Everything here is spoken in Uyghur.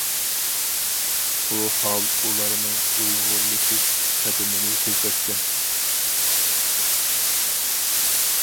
بۇ ھال ئۇلارنىڭ ئۇيغۇرلىشىش قەدىمىنى تېزلەتكەن.